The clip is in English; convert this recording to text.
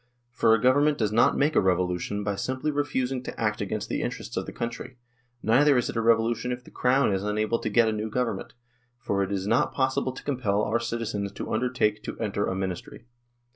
For a Government does not make a revolution by simply refusing to act against the interests of the country ; neither is it a revolution if the Crown is unable to get a new Government, for it is not possible to compel our citizens to undertake to enter a ministry.